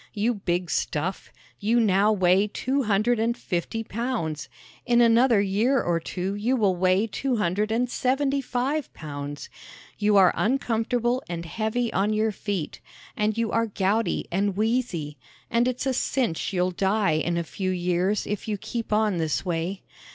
"You big stuff, you now weigh two hundred and fifty pounds! In another year or two you will weigh two hundred and seventy five pounds! You are uncomfortable and heavy on your feet, and you are gouty and wheezy; and it's a cinch you'll die in a few years if you keep on this way.